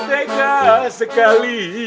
mentioned as bakter olich pivotangka